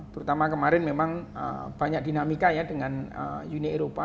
terutama kemarin memang banyak dinamika ya dengan uni eropa